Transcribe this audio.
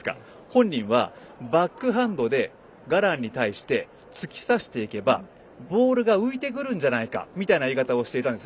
本人はバックハンドでガランに対して突き刺していけば、ボールが浮いてくるんじゃないかみたいな言い方をしていたんです。